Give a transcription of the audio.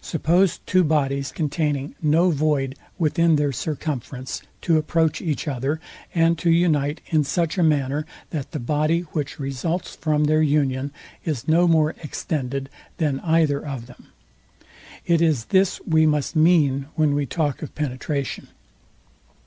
Suppose two bodies containing no void within their circumference, to approach each other, and to unite in such a manner that the body, which results from their union, is no more extended than either of them; it is this we must mean when we talk of penetration.